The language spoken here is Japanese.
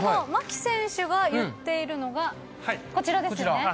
巻選手が言っているのがこちらですよね？